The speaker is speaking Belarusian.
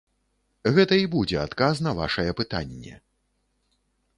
Гэта і будзе адказ на вашае пытанне.